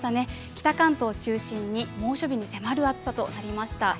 北関東を中心に猛暑日に迫る暑さとなりました。